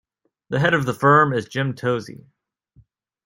The head of the firm is Jim Tozzi.